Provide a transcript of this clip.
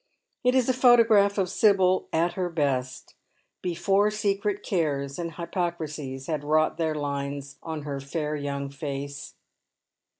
It is a photograph of Sibyl at her best — before secret cares and hypocrisies had wrought their lines on her fair young face.